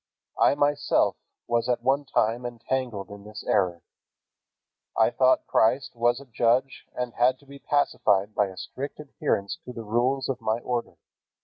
I myself was at one time entangled in this error. I thought Christ was a judge and had to be pacified by a strict adherence to the rules of my order.